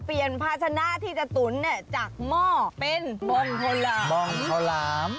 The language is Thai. เปลี่ยนพัฒนาที่จะตุ๋นจากหม้อเป็นบ่องเทาหลาม